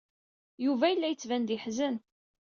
Yuba yella yettban-d yeḥzen.